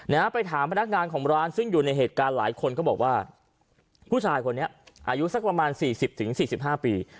นะฮะไปถามพนักงานของร้านซึ่งอยู่ในเหตุการณ์หลายคนก็บอกว่าผู้ชายคนนี้อายุสักประมาณ๔๐๔๕ปี